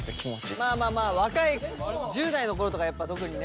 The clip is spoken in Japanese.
まあまあまあ若い１０代の頃とかやっぱ特にね。